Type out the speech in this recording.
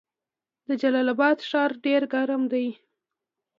د جلال اباد ښار ډیر ګرم دی